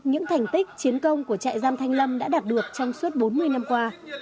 những thành tích chiến công của trại giam thanh lâm đã đạt được trong suốt bốn mươi năm qua